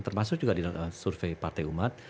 termasuk juga di survei partai umat